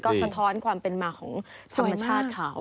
ก็สะท้อนความเป็นมาของธรรมชาติเขา